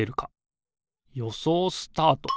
よそうスタート。